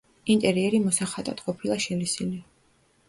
ინტერიერი მოსახატად ყოფილა შელესილი.